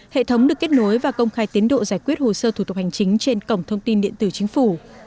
hệ thống được kết nối và công khai tiến độ giải quyết hồ sơ thủ tục hành chính trên cổng thông tin điện tử chính phủ